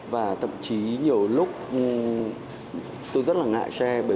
và thậm chí nhiều lúc tôi rất là ngại xe